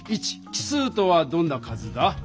奇数とはどんな数だ？